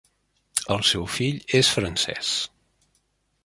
El seu fill és francès.